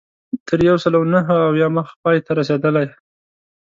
تر یو سلو نهه اویا مخ پای ته رسېدلې.